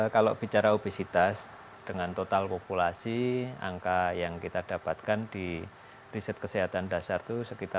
kalau bicara obesitas dengan total populasi angka yang kita dapatkan di riset kesehatan dasar itu sekitar